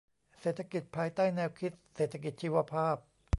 เศรษฐกิจภายใต้แนวคิดเศรษฐกิจชีวภาพ